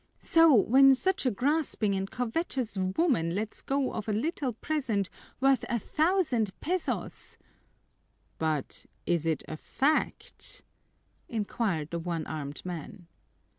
So, when such a grasping and covetous woman lets go of a little present worth a thousand pesos " "But, is it a fact?" inquired the one armed man.